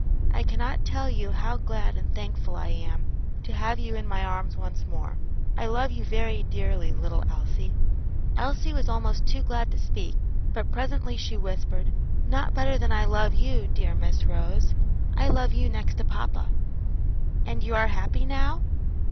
I cannot tell you how glad and thankful I am to have you in my arms once more. I love you very dearly, little Elsie." Elsie was almost too glad to speak, but presently she whispered, "Not better than I love you, dear Miss Rose. I love you next to papa." "And you are very happy now?"